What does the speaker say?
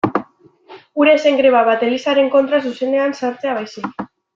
Hura ez zen greba bat, Elizaren kontra zuzenean sartzea baizik.